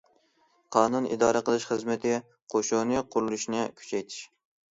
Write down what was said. قانۇن ئىدارە قىلىش خىزمىتى قوشۇنى قۇرۇلۇشىنى كۈچەيتىش.